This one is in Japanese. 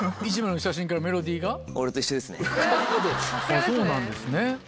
あっそうなんですね。